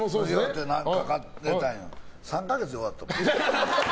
３か月で終わったもん。